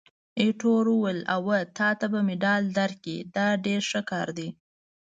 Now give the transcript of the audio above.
ایټور وویل: اوه، تا ته به مډال درکړي! دا ډېر ښه کار دی.